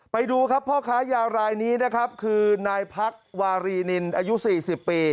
ไปดูครับพ่อค้ายารายนี้นะครับคือนายพักวารีนินอายุ๔๐ปี